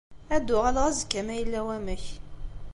Ad d-uɣaleɣ azekka ma yella wamek.